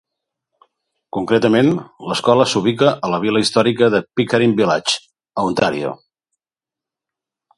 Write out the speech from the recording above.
Concretament, l'escola s'ubica a la vila històrica de Pickering Village, a Ontario.